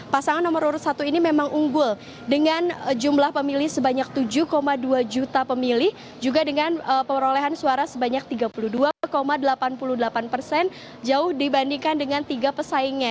pasangan nomor urut satu ini memang unggul dengan jumlah pemilih sebanyak tujuh dua juta pemilih juga dengan perolehan suara sebanyak tiga puluh dua delapan puluh delapan persen jauh dibandingkan dengan tiga pesaingnya